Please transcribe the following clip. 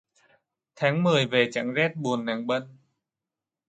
Tháng mười về chẳng rét buốt nàng Bân